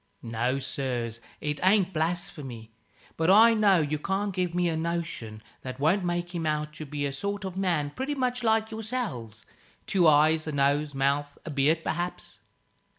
"No, sirs. It ain't blasphemy. But I know you can't give me a notion that won't make him out to be a sort of man, pretty much like yourselves two eyes, a nose, mouth, and beard perhaps.